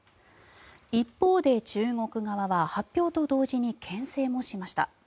一方で、中国側は発表と同時にけん制もしました。